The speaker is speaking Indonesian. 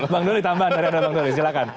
bang dolly tambahan dari anda bang dolly silahkan